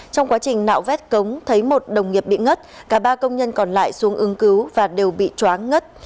trong quá trình nạo vét cống thấy một đồng nghiệp bị ngất cả ba công nhân còn lại xuống ứng cứu và đều bị chóa ngất